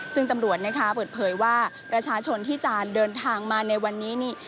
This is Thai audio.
ซึ่งตำรวจเปิดเผยว่ารัชชนที่จะเดินทางมาในวันนี้